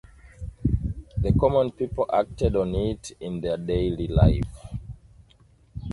The common people acted on it in their daily life.